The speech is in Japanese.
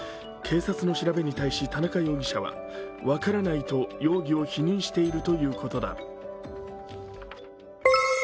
警察の調べに対し田中容疑者は分からないと容疑を否認しているということだ。